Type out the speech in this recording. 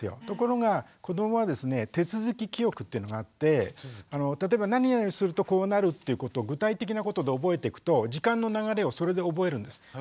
ところが子どもはですね手続き記憶っていうのがあって例えば何々するとこうなるっていうことを具体的なことで覚えてくと時間の流れをそれで覚えるんです。